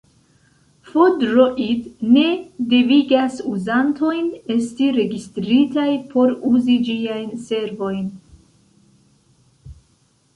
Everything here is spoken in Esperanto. F-Droid ne devigas uzantojn esti registritaj por uzi ĝiajn servojn.